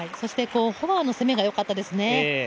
フォアの攻めがよかったですね。